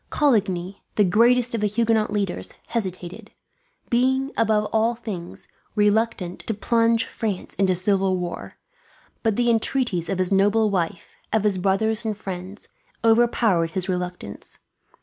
Coligny, the greatest of the Huguenot leaders, hesitated; being, above all things, reluctant to plunge France into civil war. But the entreaties of his noble wife, of his brothers and friends, overpowered his reluctance.